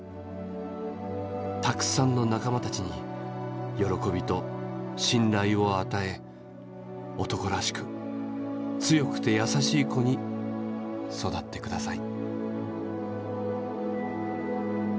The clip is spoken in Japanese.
たくさんの仲間たちによろこびと信頼をあたえ男らしく強くて優しい子に育って下さい」。